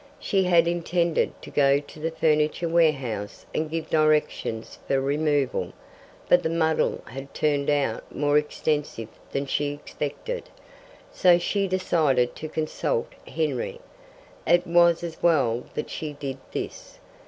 She had intended to go to the furniture warehouse and give directions for removal, but the muddle had turned out more extensive than she expected, so she decided to consult Henry. It was as well that she did this.